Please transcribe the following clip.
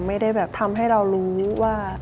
ไม่ได้แบบทำให้เรารู้ว่า